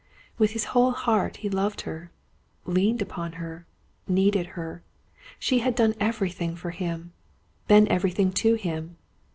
With his whole heart he loved her, leaned upon her, needed her. She had done everything for him; been everything to him.